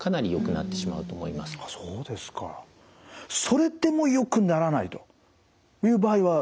それでもよくならないという場合は？